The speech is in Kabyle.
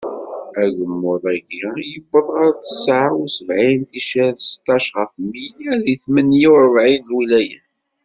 Agemmuḍ-agi yewweḍ ɣer tesεa u sebεin ticcer seṭṭac ɣef mya deg tmanya u rebεin n lwilayat.